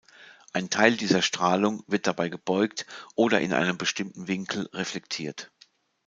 Ein Teil dieser Strahlung wird dabei gebeugt oder in einem bestimmten Winkel reflektiert.